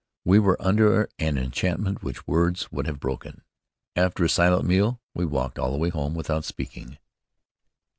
We were under an enchantment which words would have broken. After a silent meal, we walked all the way home without speaking.